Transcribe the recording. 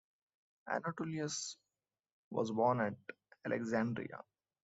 Anatolius was born at Alexandria.